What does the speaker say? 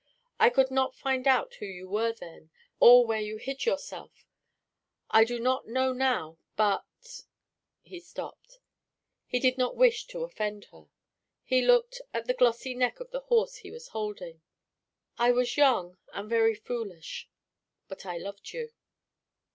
I could not find out who you were then, or where you hid yourself; I do not know now, but " He stopped; he did not wish to offend her; he looked at the glossy neck of the horse he was holding. "I was young and very foolish, but I loved you."